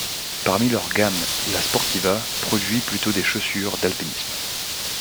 Parmi leur gamme La Sportiva produit plutôt des chaussures d'alpinisme.